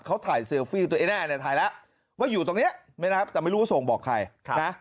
เขาถ่ายเซลฟี่ตัวเองแน่เนี่ยถ่ายแล้วว่าอยู่ตรงนี้ไม่นับแต่ไม่รู้ว่าส่งบอกใครนะ